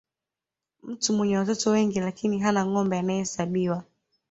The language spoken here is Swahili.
mtu mwenye watoto wengi lakini hana ngombe anahesabiwa